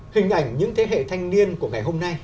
hình ảnh những thế hệ thanh niên của ngày hôm nay